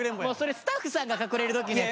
スタッフさんが隠れる時のやつや。